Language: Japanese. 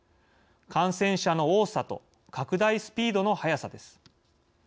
感染者の多さと拡大スピードの速さです。